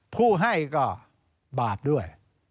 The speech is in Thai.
ผู้ให้ก็บาปด้วย